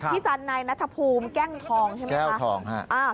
พี่สันในนัทธภูมิแก้งทองใช่ไหม